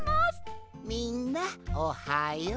みんなおはよう。